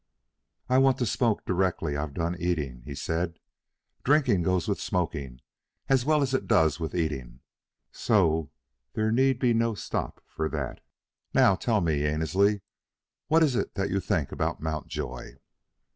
"I want to smoke directly I've done eating," he said. "Drinking goes with smoking as well as it does with eating, so there need be no stop for that. Now, tell me, Annesley, what is it that you think about Mountjoy?"